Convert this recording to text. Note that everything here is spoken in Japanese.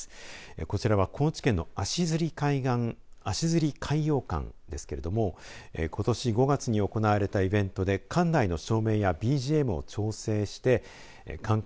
こちらは高知県の足摺海洋館ですけれどもことし５月に行われたイベントで館内の照明やＢＧＭを調整して感覚